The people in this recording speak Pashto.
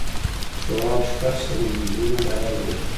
شواب شپږ سوه میلیون ډالر وګټل